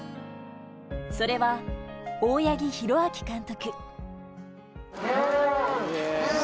それは大八木弘明監督。